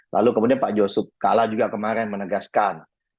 lalu kemudian pak josup kalah juga kemarin menegaskan